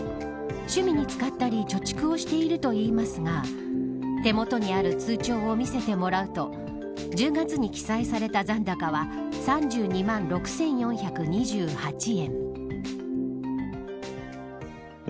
趣味に使ったり貯蓄をしているといいますが手元にある通帳を見せてもらうと１０月に記載された残高は３２万６４２８円。